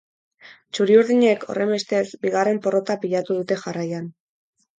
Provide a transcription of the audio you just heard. Txuri-urdinek, horrenbestez, bigarren porrota pilatu dute jarraian.